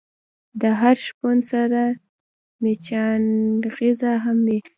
د هر شپون سره مچناغزه هم وی.